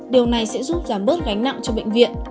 điều này sẽ giúp giảm bớt gánh nặng cho bệnh viện